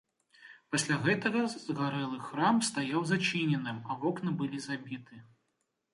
Пасля гэтага згарэлы храм стаяў зачыненым, а вокны былі забіты.